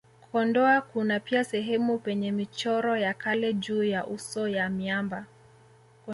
Kondoa kuna pia sehemu penye michoro ya kale juu ya uso ya miamba